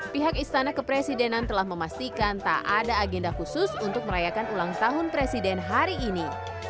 pihak istana kepresidenan telah memastikan tak ada agenda khusus untuk merayakan ulang tahun presiden hari ini